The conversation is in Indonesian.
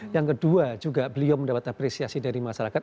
yang kedua juga beliau mendapat apresiasi dari masyarakat